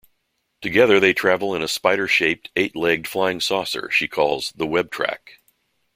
Together they travel in a spider-shaped, eight-legged flying saucer she calls the Web-Trac.